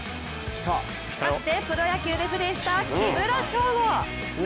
かつてプロ野球でプレーした木村昇吾。